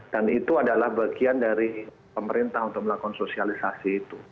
dan itu adalah bagian dari pemerintah untuk melakukan sosialisasi itu